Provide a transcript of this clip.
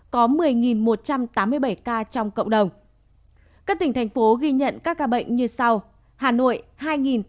có một mươi một trăm tám mươi bảy ca trong cộng đồng